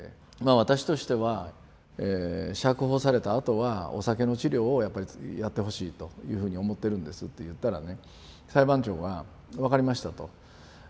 私としては釈放されたあとはお酒の治療をやっぱりやってほしいというふうに思ってるんですって言ったらね裁判長が「分かりました」と。